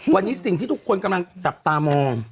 วันนี้สิ่งที่ทุกคนกำลังจับตามอง